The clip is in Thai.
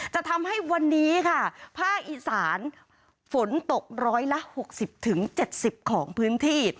จะทำให้วันนี้ค่ะภาคอีสานฝนตกร้อยละ๖๐๗๐ของพื้นที่